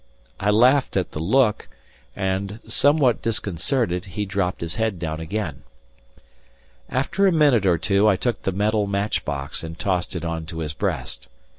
I laughed at the look, and, somewhat disconcerted, he dropped his head down again. After a minute or two I took the metal match box and tossed it on to his breast.